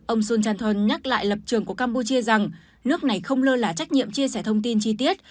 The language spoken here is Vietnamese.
ông sun chanthong nhắc lại lập trường của campuchia rằng nước này không lơ là trách nhiệm chia sẻ thông tin chi tiết